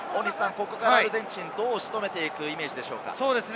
ここからアルゼンチン、どう仕留めていくイメージですか？